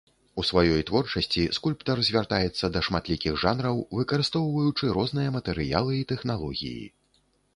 У сваёй творчасці скульптар звяртаецца да шматлікіх жанраў, выкарыстоўваючы розныя матэрыялы і тэхналогіі.